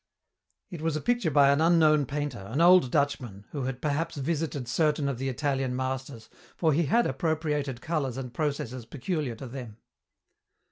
It was a picture by an unknown painter, an old Dutchman, who had perhaps visited certain of the Italian masters, for he had appropriated colours and processes peculiar to them.